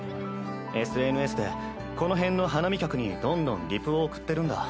ＳＮＳでこの辺の花見客にどんどんリプを送ってるんだ。